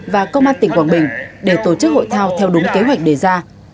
và công an tỉnh quảng bình để tổ chức hội thao theo đúng kế hoạch đề ra